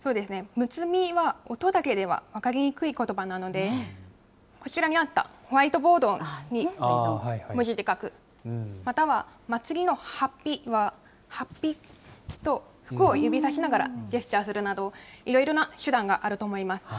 六つ身は音だけでは分かりにくいことばなので、こちらにあったホワイトボードに文字で書く、または、祭りのはっぴは、はっぴと、服を指さしながらジェスチャーするなど、いろいろな手段があると思います。